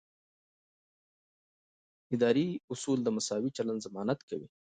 اداري اصول د مساوي چلند ضمانت کوي.